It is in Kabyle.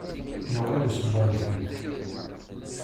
Yuɣal isebbeṛ-itent.